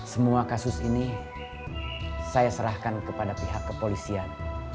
semua kasus ini saya serahkan kepada pihak kepolisian